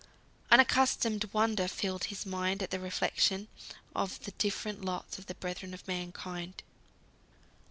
Unaccustomed wonder filled his mind at the reflection of the different lots of the brethren of mankind.